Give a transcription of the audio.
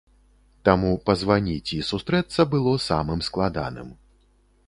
Таму пазваніць і сустрэцца было самым складаным.